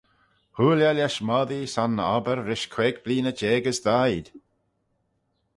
Hooyl eh lesh moddee son obbyr rish queig bleeaney jeig as daeed.